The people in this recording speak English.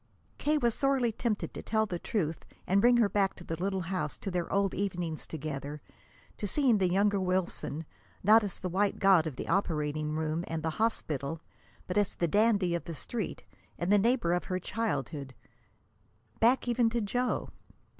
K. was sorely tempted to tell her the truth and bring her back to the little house: to their old evenings together, to seeing the younger Wilson, not as the white god of the operating room and the hospital, but as the dandy of the Street and the neighbor of her childhood back even to Joe.